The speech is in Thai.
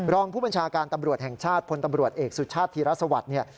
รองผู้บัญชาการตำรวจแห่งชาติพลตำรวจเอกสุชาติธิรัฐสวรรค์